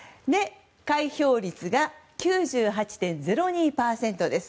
開票率が９８．０２％です。